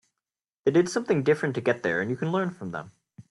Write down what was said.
They did something different to get there and you can learn from them.